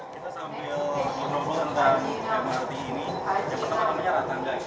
kita sambil menunggu tentang mrt ini yang pertama namanya ratangga